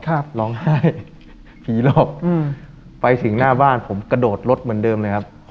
ครับร้องไห้ผีหลบอืมไปถึงหน้าบ้านผมกระโดดรถเหมือนเดิมเลยครับ